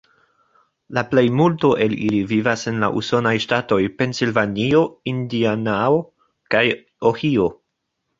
La plejmulto el ili vivas en la Usonaj ŝtatoj Pensilvanio, Indianao, kaj Ohio.